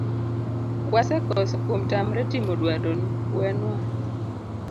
wasekoso kuom tamre timo dwaroni, wenwa.